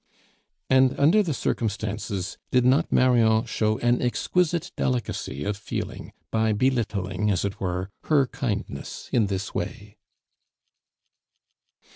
And under the circumstances, did not Marion show an exquisite delicacy of feeling by belittling, as it were, her kindness in this way?